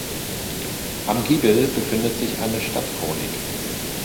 Am Giebel befindet sich eine Stadtchronik.